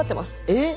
えっ！